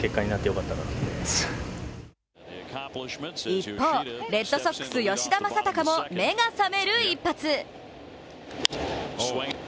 一方、レッドソックス吉田正尚も目が覚める一発。